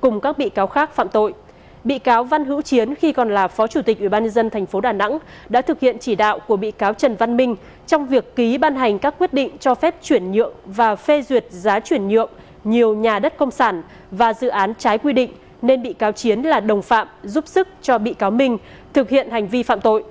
cùng các bị cáo khác phạm tội bị cáo văn hữu chiến khi còn là phó chủ tịch ubnd tp đà nẵng đã thực hiện chỉ đạo của bị cáo trần văn minh trong việc ký ban hành các quyết định cho phép chuyển nhượng và phê duyệt giá chuyển nhượng nhiều nhà đất công sản và dự án trái quy định nên bị cáo chiến là đồng phạm giúp sức cho bị cáo minh thực hiện hành vi phạm tội